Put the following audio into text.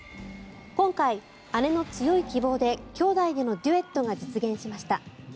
今回、姉の強い希望で姉弟でのデュエットが実現しました。